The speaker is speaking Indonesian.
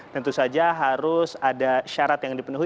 tentu saja harus ada syarat yang dipenuhi